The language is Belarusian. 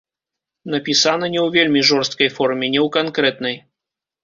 Напісана не ў вельмі жорсткай форме, не ў канкрэтнай.